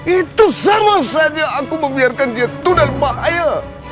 itu sama saja aku membiarkan dia itu dalam bahaya